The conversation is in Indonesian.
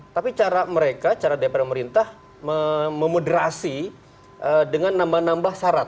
tapi cara mereka cara dpr pemerintah memoderasi dengan nambah nambah syarat